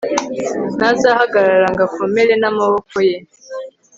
ntazahagarara ngo akomere n amaboko ye